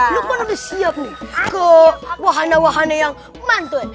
lu kan udah siap nih ke wahana wahana yang mantut